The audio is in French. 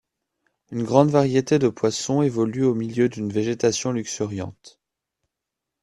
Une grande variété de poissons évolue au milieu d'une végétation luxuriante.